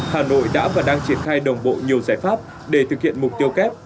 hà nội đã và đang triển khai đồng bộ nhiều giải pháp để thực hiện mục tiêu kép